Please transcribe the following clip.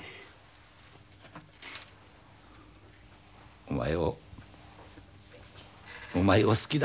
お前をお前を好きだ。